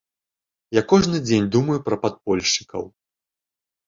Я кожны дзень думаю пра падпольшчыкаў.